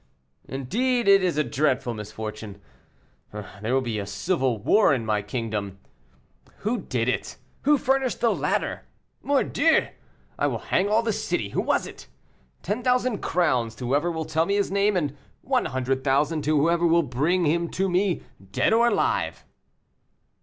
"Indeed, it is a dreadful misfortune; there will be a civil war in my kingdom. Who did it who furnished the ladder? Mordieu! I will hang all the city! Who was it? Ten thousand crowns to whoever will tell me his name, and one hundred thousand to whoever will bring him to me, dead or alive!"